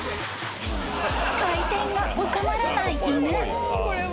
［回転が収まらない犬］